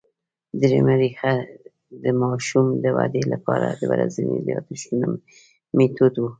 درېیمه ریښه د ماشوم د ودې له پاره د ورځينو یادښتونو مېتود وو